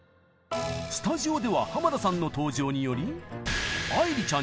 スタジオでは濱田さんの登場により愛理ちゃん